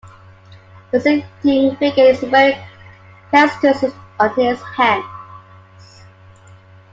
The sitting figure is wearing cestuses on his hands.